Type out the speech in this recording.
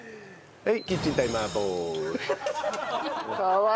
はい。